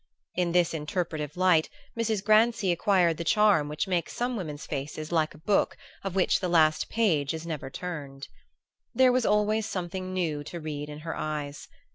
In this interpretative light Mrs. Grancy acquired the charm which makes some women's faces like a book of which the last page is never turned. There was always something new to read in her eyes.